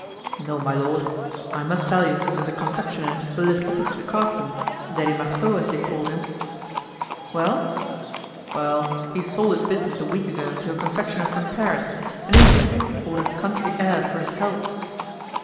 "No, my lord; I must tell you that the confectioner who lived opposite the castle—Daddy Marteau, as they called him——" "Well?" "Well, he sold his business a week ago to a confectioner from Paris, an invalid, ordered country air for his health."